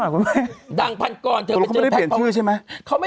คุณดังพันกรสักหน่อยคุณท่าน